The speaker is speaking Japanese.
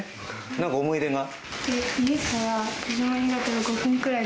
何か思い出が？